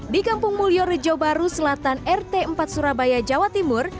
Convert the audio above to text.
di kampung mulyo rejo baru selatan rt empat surabaya jawa timur